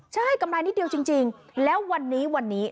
ใช่กำไรนิดเดียวจริงแล้ววันนี้วันนี้